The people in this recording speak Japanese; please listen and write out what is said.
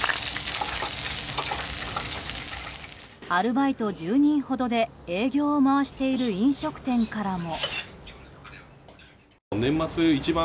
アルバイト１０人ほどで営業を回している飲食店からも。